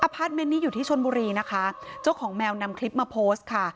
พาร์ทเมนต์นี้อยู่ที่ชนบุรีนะคะเจ้าของแมวนำคลิปมาโพสต์ค่ะ